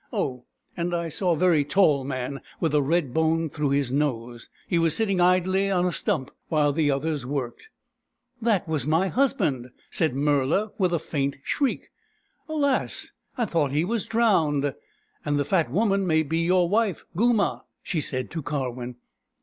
Oh, and I saw a very tall man, with a red bone through his nose. He was sitting idly on a stump while the others worked." " That was my husband !" said Murla with a faint shriek. " Alas, I thought he was drowned ! And the fat woman may be your wife, Goomah," she said to Karwin.